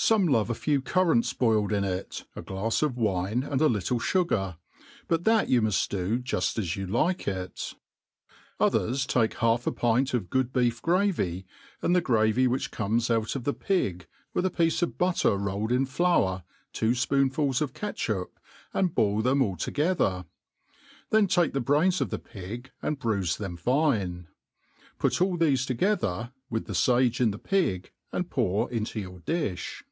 Some love a few currants boiled in it, a glafs of wine, and a little fugar ; but that you muft do juft as you like it. Others take half a pint of good beef gravy, and the gravy which comes out of the pig, with a piece of butter rolled in flour, two fpoon fuls of catchup, and boil them all together ; then , take the brains of the pig and bruife them fine ; put all thefe together, with the fage in the pig, and pour into your difh.